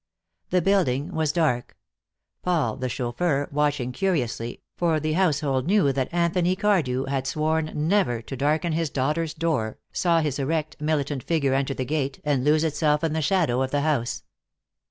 The building was dark. Paul, the chauffeur, watching curiously, for the household knew that Anthony Cardew had sworn never to darken his daughter's door, saw his erect, militant figure enter the gate and lose itself in the shadow of the house.